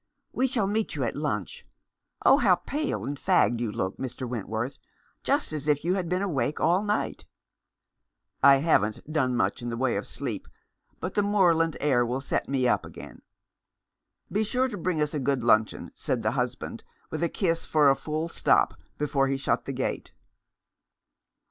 "We shall meet you at lunch. Oh! how pale and fagged you look, Mr. Wentworth, just as if you had been awake all night." " I haven't done much in the way of sleep — but the moorland air will set me up again." " Be sure you bring us a good luncheon," said the husband, with a kiss for a full stop, before he shut the gate.